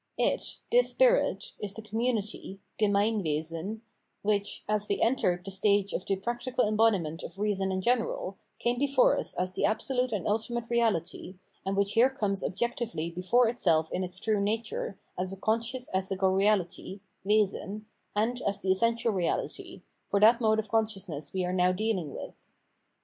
It [this spirit] is the community (Gemeinwesen) which, as we entered the stage of the practical embodiment of reason in general, came before us as the absolute and ultimate reality, and which here comes objectively before itself in its true nature as a conscious ethical reahty (Wesen) and as the essential reahty, for that mode of conscious ness we are now dealing with.